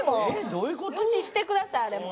無視してくださいあれも。